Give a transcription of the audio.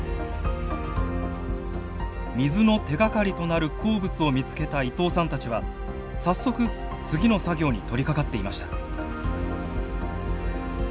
水の手がかりとなる鉱物を見つけた伊藤さんたちは早速次の作業に取りかかっていました。